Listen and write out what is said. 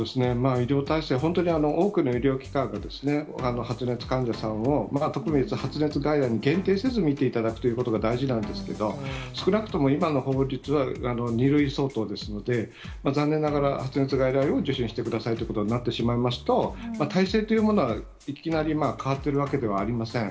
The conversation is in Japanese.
医療体制、本当に多くの医療機関が発熱患者さんを特別発熱外来に限定せずに診ていただくということが大事なんですけど、少なくとも今の法律は、２類相当ですので、残念ながら発熱外来を受診してくださいということになってしまいますと、体制というものはいきなり変わってるわけではありません。